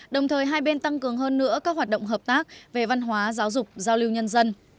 đồng thời hai bên tăng cường hơn nữa các hoạt động hợp tác về văn hóa giáo dục giao lưu nhân dân